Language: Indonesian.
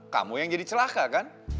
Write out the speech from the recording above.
kamu yang jadi celaka kan